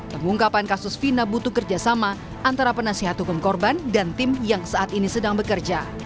pengungkapan kasus fina butuh kerjasama antara penasihat hukum korban dan tim yang saat ini sedang bekerja